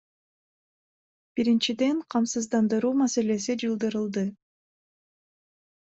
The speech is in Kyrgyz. Биринчиден, камсыздандыруу маселеси жылдырылды.